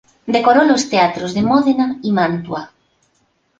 Decoró los teatros de Módena y Mantua.